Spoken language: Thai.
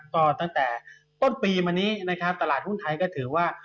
ก็ตั้งแต่ต้นปีมานี้นะครับตลาดหุ้นไทยก็ถือว่า